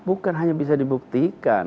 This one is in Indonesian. bukan hanya bisa dibuktikan